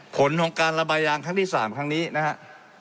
ผลของการระบายยางครั้งที่๓ครั้งนี้นะครับ